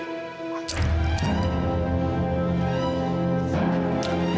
dia mungkin turun ke